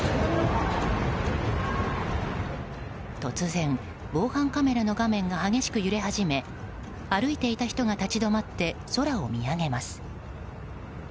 突然、防犯カメラの画面が激しく揺れ始め歩いていた人が立ち止まって空を見上げます。